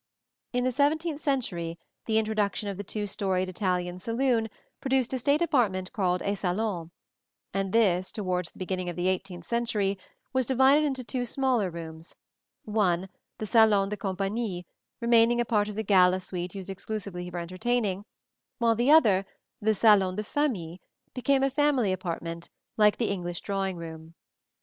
In the seventeenth century the introduction of the two storied Italian saloon produced a state apartment called a salon; and this, towards the beginning of the eighteenth century, was divided into two smaller rooms: one, the salon de compagnie, remaining a part of the gala suite used exclusively for entertaining (see Plate XXXIV), while the other the salon de famille became a family apartment like the English drawing room.